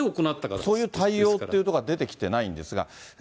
今はそういう対応っていうところは出てきてないんですが。